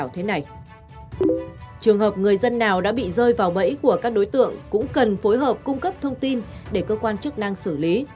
trường hợp người dân nào đã bị rơi vào bẫy của các đối tượng cũng cần phối hợp cung cấp thông tin để cơ quan chức năng xử lý